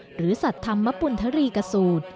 สัตว์ธรรมปุณฑรีกสูตร